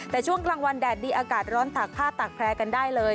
แต่ช่วงกลางวันแดดดีอากาศร้อนตากผ้าตากแพร่กันได้เลย